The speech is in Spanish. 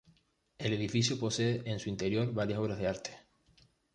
El edificio posee en su interior varias obras de arte.